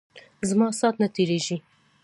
زما سات نه تیریژی.